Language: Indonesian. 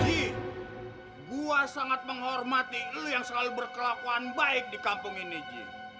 ih gue sangat menghormati lu yang selalu berkelakuan baik di kampung ini ji